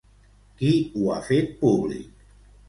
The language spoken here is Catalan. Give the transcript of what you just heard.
Qui ho ha fet públic?